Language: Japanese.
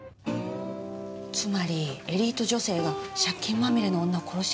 つまりエリート女性が借金まみれの女を殺しちゃったって事？